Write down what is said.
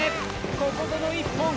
ここぞの１本。